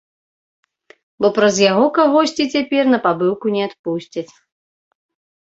Бо праз яго кагосьці цяпер на пабыўку не адпусцяць.